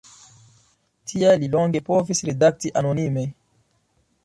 Tial li longe povis redakti anonime.